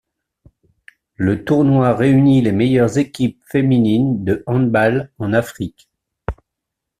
Le tournoi réunit les meilleures équipes féminines de handball en Afrique.